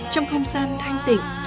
trong không gian thanh tỉnh